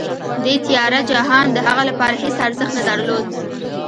دې تیاره جهان د هغه لپاره هېڅ ارزښت نه درلود